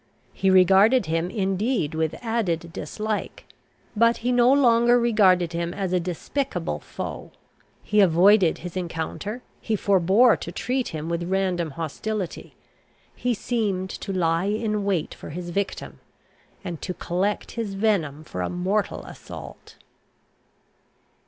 He regarded him, indeed, with added dislike; but he no longer regarded him as a despicable foe. He avoided his encounter; he forbore to treat him with random hostility; he seemed to lie in wait for his victim, and to collect his venom for a mortal assault.